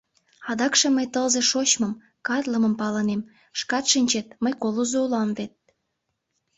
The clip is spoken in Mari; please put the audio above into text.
Адакше мый тылзе шочмым, катлымым палынем: шкат шинчет, мый колызо улам вет.